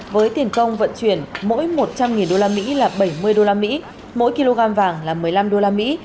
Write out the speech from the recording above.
với tiền công vận chuyển mỗi một trăm linh đô la mỹ là bảy mươi đô la mỹ mỗi kg vàng là một mươi năm đô la mỹ